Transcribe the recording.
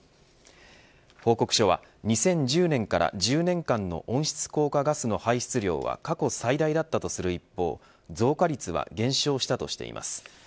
報告書は２０１０年から１０年間の温室効果ガスの排出量は過去最大だったとする一方増加率は減少したといいます。